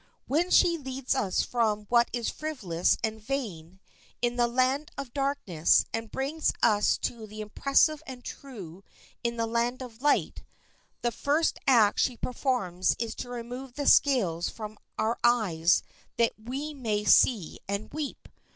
When she leads us from what is frivolous and vain in the land of darkness, and brings us to the impressive and true in the land of light, the first act she performs is to remove the scales from our eyes that we may see and weep.